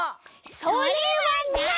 それはない！